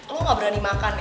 lo ga berani makan ya